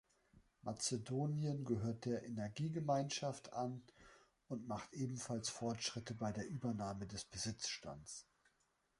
Mazedonien gehört der Energiegemeinschaft an und macht ebenfalls Fortschritte bei der Übernahme des Besitzstands.